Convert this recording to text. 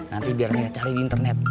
nanti biar saya cari di internet